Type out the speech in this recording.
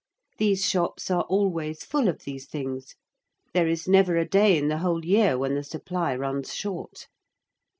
These shops are always full of these things. There is never a day in the whole year when the supply runs short.